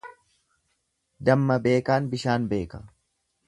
Damma beekaan bishaan beeka.